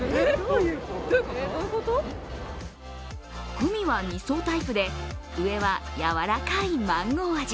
グミは２層タイプで、上はやわらかいマンゴー味。